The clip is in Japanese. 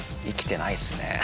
生きてないですね。